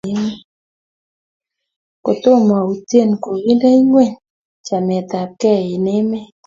Kotomoutye kokinde ngweny chametabkei eng emet